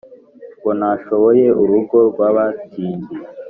Ngo ntashoboye urugo rwabatindi